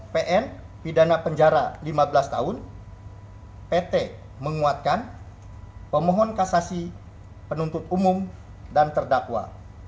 pn pidana penjara lima belas tahun pt menguatkan pemohon kasasi penuntut umum dan terdakwa